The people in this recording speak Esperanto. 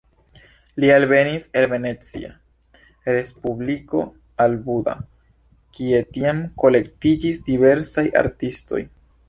Li alvenis el Venecia respubliko al Buda, kie tiam kolektiĝis diversaj artistoj.